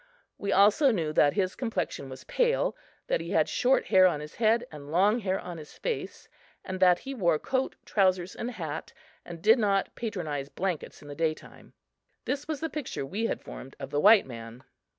We also knew that his complexion was pale, that he had short hair on his head and long hair on his face and that he wore coat, trousers, and hat, and did not patronize blankets in the daytime. This was the picture we had formed of the white man.